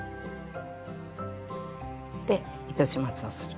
で糸始末をする。